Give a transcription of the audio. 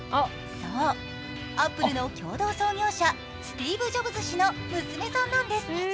そう、アップルの共同創業者スティーブ・ジョブズ氏の娘さんなんです。